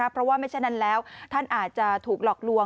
เพราะว่าไม่ใช่นั้นแล้วท่านอาจจะถูกหลอกลวง